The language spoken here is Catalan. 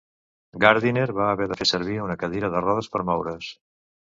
Gardiner va haver de fer servir una cadira de rodes per moure's.